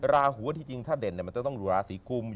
ราหูถ้าเด่นจะต้องอยู่ราศีกุม